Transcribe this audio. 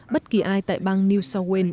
bất kỳ ai tại bang new south wales